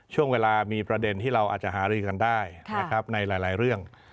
ช่วงเวลามีประเด็นที่เราอาจจะหารือกันได้นะครับในหลายเรื่อง